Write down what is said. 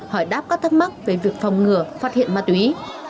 hỏi đáp các thắc mắc về việc phòng ngừa phát hiện ma túy